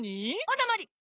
おだまり！